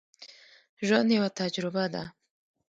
ژوند یوه تجربه ده.